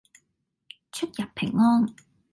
出入平安